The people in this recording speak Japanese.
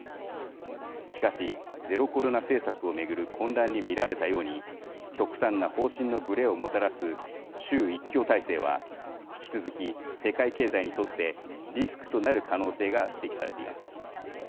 しかし、ゼロコロナ政策を巡る混乱に見られたように極端な方針のぶれをもたらす習一強体制は引き続き世界経済にとってリスクとなる可能性が指摘されています。